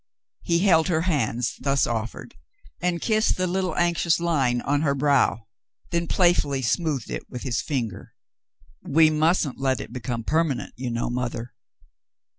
He held her hands thus offered and kissed the little anxious line on her brow, then playfully smoothed it with his finger. "We mustn't let it become permanent, you know, mother."